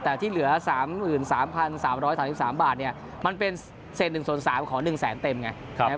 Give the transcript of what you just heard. แต่ที่เหลือ๓๓บาทมันเป็นเศษ๑ส่วน๓ขอ๑แสนเต็มไง